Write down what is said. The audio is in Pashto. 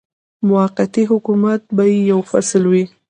موقتي حکومت به یې یو فصل وي.